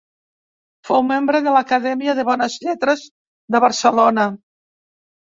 Fou membre de l’Acadèmia de Bones Lletres de Barcelona.